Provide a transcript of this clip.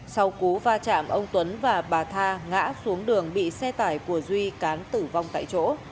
sau cú va chạm ông tuấn và bà tha ngã xuống đường bị xe tải của duy cán tử vong tại chỗ